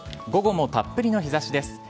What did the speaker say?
午後もたっぷりの日差しです。